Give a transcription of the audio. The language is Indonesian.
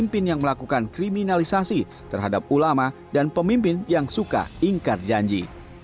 pemimpin yang melakukan kriminalisasi terhadap ulama dan pemimpin yang suka ingkar janji